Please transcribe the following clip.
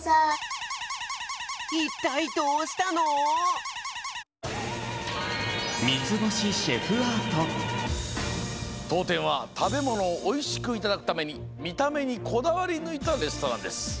いったいどうしたの！？とうてんはたべものをおいしくいただくためにみためにこだわりぬいたレストランです。